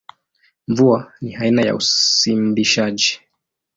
Mvua ni aina ya usimbishaji.